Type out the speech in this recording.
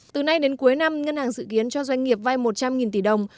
từ nay đến cuối năm ngân hàng dự kiến cho doanh nghiệp vay một trăm linh tỷ đồng